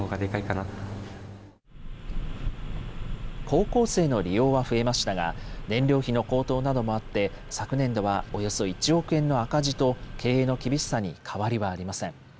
高校生の利用は増えましたが、燃料費の高騰などもあって、昨年度はおよそ１億円の赤字と、経営の厳しさに変わりはありません。